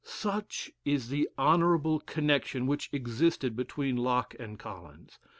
Such is the honorable connection which existed between Locke and Collins.